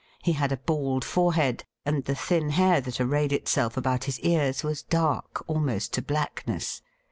He had a bald forehead, and the thin hair that arrayed itself about his ears was dark almost to blackness.